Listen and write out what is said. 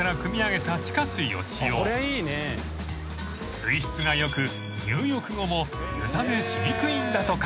［水質がよく入浴後も湯冷めしにくいんだとか］